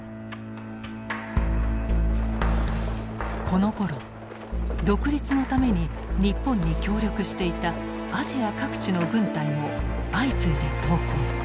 このころ独立のために日本に協力していたアジア各地の軍隊も相次いで投降。